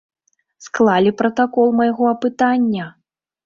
Склалі пратакол майго апытання.